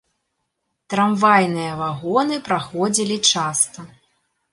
Трамвайныя вагоны праходзілі часта.